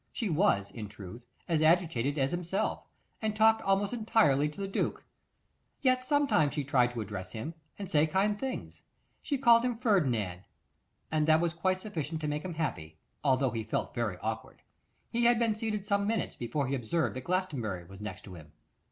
She was, in truth, as agitated as himself, and talked almost entirely to the duke; yet sometimes she tried to address him, and say kind things. She called him Ferdinand; that was quite sufficient to make him happy, although he felt very awkward. He had been seated some minutes before he observed that Glastonbury was next to him.